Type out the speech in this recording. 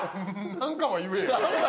何か言えや。